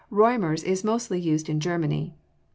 Reaumur's is mostly used in Germany.